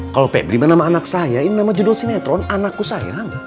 kalau kayak gimana nama anak saya ini nama judul sinetron anakku sayang